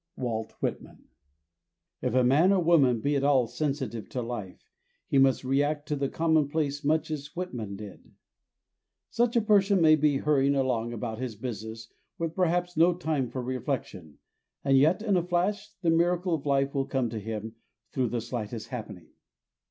Walt Whitman. If man or woman be at all sensitive to life, he must react to the commonplace much as Whitman did. Such a person may be hurrying along about his business with perhaps no time for reflection and yet in a flash, the miracle of life will come to him through the slightest happening.